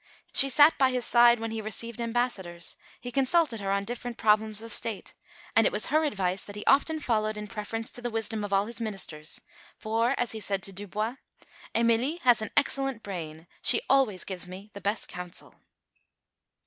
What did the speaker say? She sat by his side when he received ambassadors; he consulted her on difficult problems of State; and it was her advice that he often followed in preference to the wisdom of all his ministers; for, as he said to Dubois, "Emilie has an excellent brain; she always gives me the best counsel."